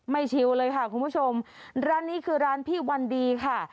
ชิวเลยค่ะคุณผู้ชมร้านนี้คือร้านพี่วันดีค่ะ